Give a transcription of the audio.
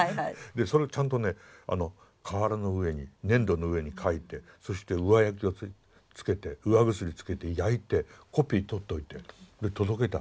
それをちゃんとね瓦の上に粘土の上に書いてそして釉薬つけて焼いてコピー取っておいてで届けた。